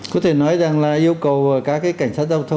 có thể nói rằng là yêu cầu cả cái cảnh sát